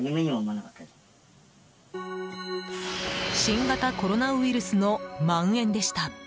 新型コロナウイルスのまん延でした。